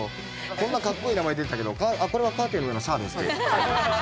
こんなかっこいい名前出てたけどこれはカーテンの上のシャーですって。